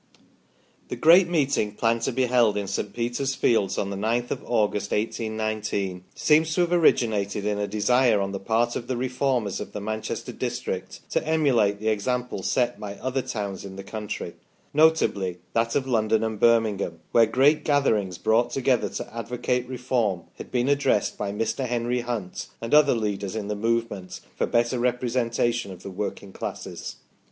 The great meeting planned to be held in St. Peter's fields on the 9th of August, 1819, seems to have originated in a desire on the part of the Reformers of the Manchester district to emulate the example set by other towns in the country, notably that of London and Birming ham, where great gatherings brought together to advocate Reform had been addressed by Mr. Henry Hunt, and other leaders in the move ment for the better representation of the working classes.